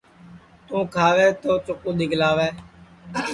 توں کھاوے تو چکُو دِؔگکاوے